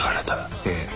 ええ。